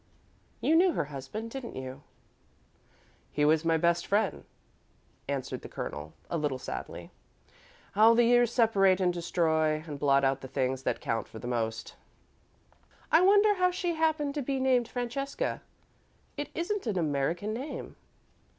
"You knew her husband, didn't you?" "He was my best friend," answered the Colonel, a little sadly. "How the years separate and destroy, and blot out the things that count for the most!" "I wonder how she happened to be named 'Francesca.' It isn't an American name."